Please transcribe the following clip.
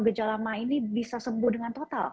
gejala ma ini bisa sembuh dengan total